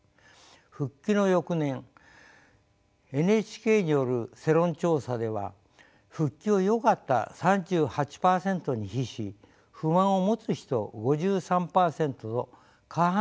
復帰の翌年ＮＨＫによる世論調査では「復帰をよかった」３８％に比し「不満を持つ人」５３％と過半数を超えました。